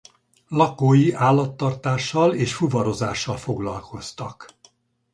Lakói állattartással és fuvarozással foglalkoztak.